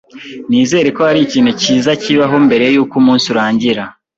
Nizere ko hari ikintu cyiza kibaho mbere yuko umunsi urangira.